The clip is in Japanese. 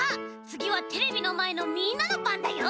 つぎはテレビのまえのみんなのばんだよ！